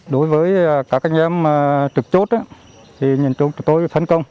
đối với các anh em trực chốt thì nhìn chốt trực tôi thành công